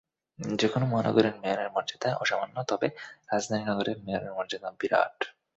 যেকোনো মহানগরের মেয়রের মর্যাদাই অসামান্য, তবে রাজধানী নগরের মেয়রের মর্যাদা বিরাট।